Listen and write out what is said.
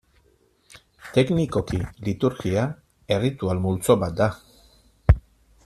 Teknikoki liturgia erritual multzo bat da.